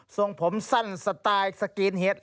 ทรงผมสั้นสไตล์สกีนเฮ้น